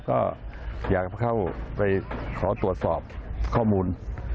ก็อยากจะเข้าไปขอตรวจสอบข้อมูล